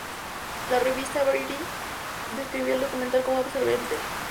La revista "Variety" describió el documental como 'absorbente'.